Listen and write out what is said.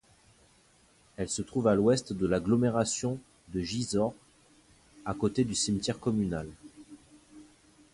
Elle se trouve à l’ouest de l’agglomération de Gisors, à côté du cimetière communal.